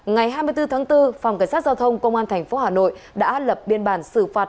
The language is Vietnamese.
ngày hai mươi bốn tháng bốn phòng cảnh sát giao thông công an tp hà nội đã lập biên bản xử phạt